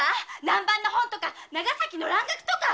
南蛮の本とか長崎の蘭学とか。